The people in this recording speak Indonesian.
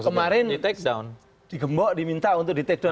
kemarin di gembok diminta untuk di take down